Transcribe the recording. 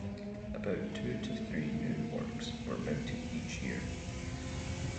About two to three new works were mounted each year.